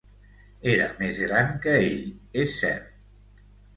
Era més gran que ell, és cert.